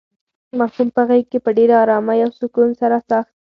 ماشوم په غېږ کې په ډېرې ارامۍ او سکون سره ساه اخیستله.